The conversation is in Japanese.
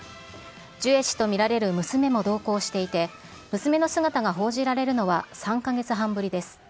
ジュエ氏と見られる娘も同行していて、娘の姿が報じられるのは３か月半ぶりです。